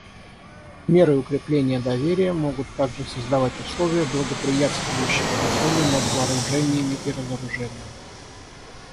Меры укрепления доверия могут также создавать условия, благоприятствующие контролю над вооружениями и разоружению.